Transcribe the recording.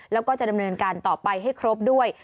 แล้วก็จะดำเนินการต่อไปให้ครบด้วย